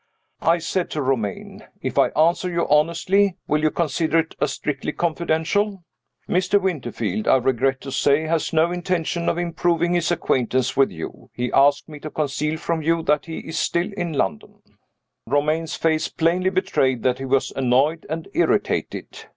I said to Romayne, "If I answer you honestly, will you consider it as strictly confidential? Mr. Winterfield, I regret to say, has no intention of improving his acquaintance with you. He asked me to conceal from you that he is still in London." Romayne's face plainly betrayed that he was annoyed and irritated.